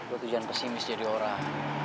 gue tujuan pesimis jadi orang